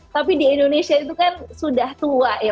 tapi di indonesia itu kan sudah tua ya